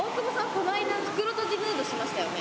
この間袋とじヌードしましたよね？